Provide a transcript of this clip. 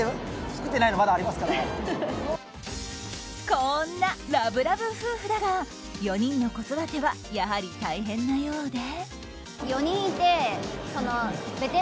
こんなラブラブ夫婦だが４人の子育てはやはり大変なようで。